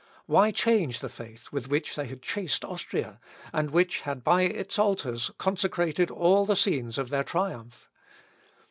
Why change the faith with which they had chased Austria, and which had by its altars consecrated all the scenes of their triumph?